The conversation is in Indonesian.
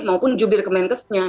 maupun jubir kementesnya